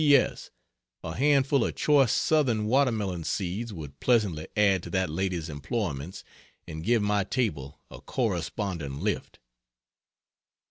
P. S. A handful of choice (Southern) watermelon seeds would pleasantly add to that lady's employments and give my table a corresponding lift.